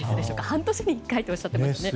半年に１回とおっしゃっていましたね。